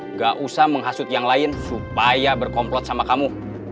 nggak usah menghasut yang lain supaya berkomplot sama kamu